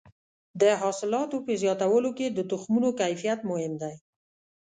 د حاصلاتو په زیاتولو کې د تخمونو کیفیت مهم دی.